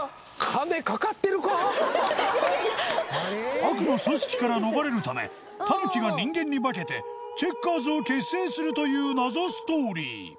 悪の組織から逃れるためたぬきが人間に化けてチェッカーズを結成するという謎ストーリー。